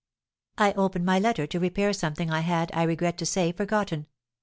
"I open my letter to repair something I had, I regret to say, forgotten.